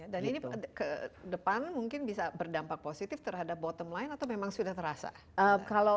dan ini ke depan mungkin bisa berdampak positif terhadap bottom line atau memang sudah terasa